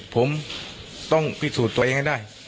ผมต้องพิสูจน์ตัวเองให้ได้